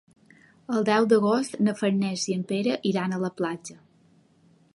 El deu d'agost na Farners i en Pere iran a la platja.